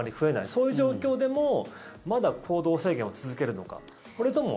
そういう状況でもまだ行動制限を続けるのか。